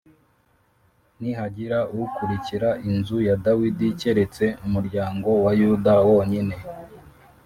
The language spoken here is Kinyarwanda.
ntihagira ukurikira inzu ya Dawidi, keretse umuryango wa Yuda wonyine